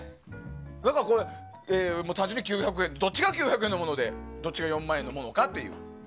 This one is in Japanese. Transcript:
だから、単純にどっちが９００円のものでどっちが４万円のものかっていう。